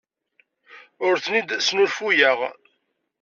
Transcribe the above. Ur ten-id-snulfuyeɣ.